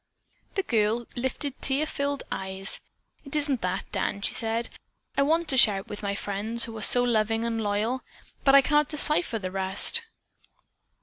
The girl lifted tear filled eyes. "It isn't that, Dan," she said. "I want to share it with my friends who are so loving and loyal, but I cannot decipher the rest."